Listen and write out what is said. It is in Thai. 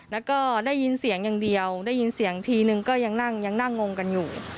แล้วก็ได้ยินเสียงอย่างเดียวได้ยินเสียงทีนึงก็ยังนั่งยังนั่งงงกันอยู่